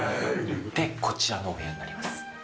こちらのお部屋になります。